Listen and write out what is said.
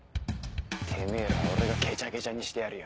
てめぇら俺がケチャケチャにしてやるよ。